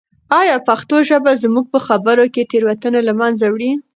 آیا پښتو ژبه زموږ په خبرو کې تېروتنې له منځه وړي؟